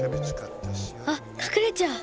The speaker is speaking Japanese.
あっかくれちゃう。